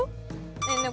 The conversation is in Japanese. ねえねえ